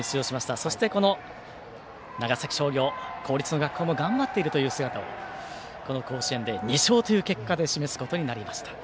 そして長崎商業、公立の学校も頑張っているという姿をこの甲子園で２勝という結果で示すことになりました。